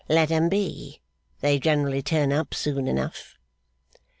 Let 'em be. They generally turn up soon enough.